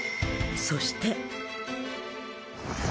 そして。